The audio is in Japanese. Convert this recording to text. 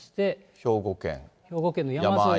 兵庫県。